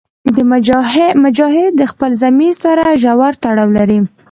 مجاهد د خپل ضمیر سره ژور تړاو لري.